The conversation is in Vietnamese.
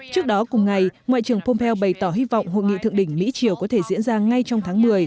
trước đó cùng ngày ngoại trưởng pompeo bày tỏ hy vọng hội nghị thượng đỉnh mỹ triều có thể diễn ra ngay trong tháng một mươi